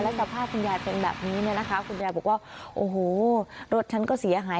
สภาพคุณยายเป็นแบบนี้เนี่ยนะคะคุณยายบอกว่าโอ้โหรถฉันก็เสียหาย